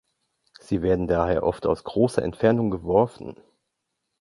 Sie werden daher oft aus größerer Entfernung geworfen.